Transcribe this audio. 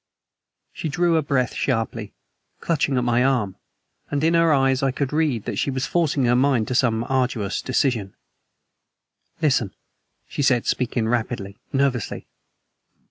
She drew her breath sharply, clutching at my arm, and in her eyes I could read that she was forcing her mind to some arduous decision. "Listen." She was speaking rapidly, nervously.